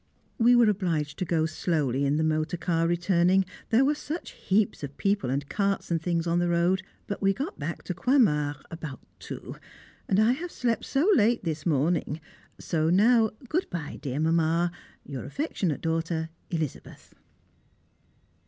We were obliged to go slowly in the motor car returning, there were such heaps of people and carts and things on the road, but we got back to Croixmare about two; and I have slept so late this morning, so now, good bye, dear Mamma. Your affectionate daughter, Elizabeth.